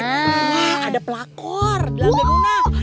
wah ada pelakor di lambe muna